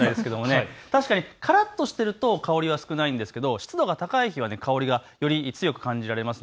確かにからっとしていると香りは少ないですが湿度が高い日は香りがより強く感じられます。